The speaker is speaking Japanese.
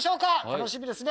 楽しみですね。